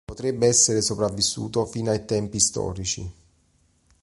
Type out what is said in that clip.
Potrebbe essere sopravvissuto fino a tempi storici.